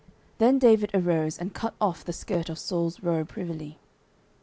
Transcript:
Then David arose, and cut off the skirt of Saul's robe privily.